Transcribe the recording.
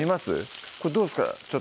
これどうですか？